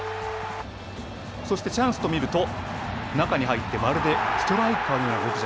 そしてチャンスと見ると、中に入って、まるでストライカーのよ